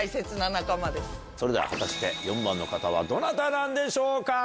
それでは４番の方はどなたなんでしょうか？